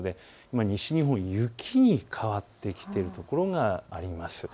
西日本、雪に変わってきている所があります。